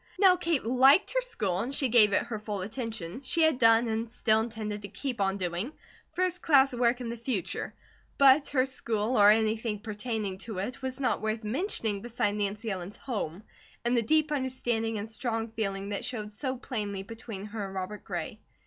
Now Kate liked her school and she gave it her full attention; she had done, and still intended to keep on doing, first class work in the future; but her school, or anything pertaining to it, was not worth mentioning beside Nancy Ellen's HOME, and the deep understanding and strong feeling that showed so plainly between her and Robert Gray.